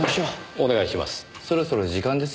お願いします。